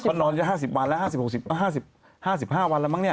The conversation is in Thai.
ก็นอนแค่๕๐วันแล้ว๕๕วันแล้วมั้งเนี่ย